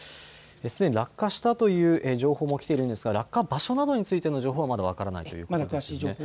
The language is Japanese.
すでに落下したという情報も来ているんですが落下場所などについての情報はまだ分からないということですね。